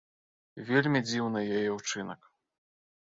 Вельмі дзіўны яе ўчынак.